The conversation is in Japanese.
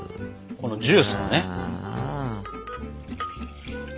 このジュースもね。